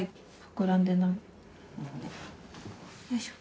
膨らんでない。